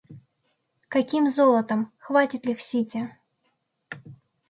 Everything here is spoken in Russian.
Каким золотом — хватит ли в Сити?!